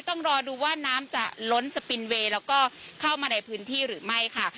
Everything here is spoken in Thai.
ต้องรอดูว่าน้ำจะล้นสปินเวย์แล้วก็เข้ามาในพื้นที่หรือไม่ค่ะ